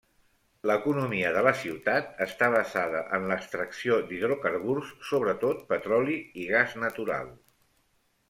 L'economia de la ciutat està basada en l'extracció d'hidrocarburs, sobretot petroli i gas natural.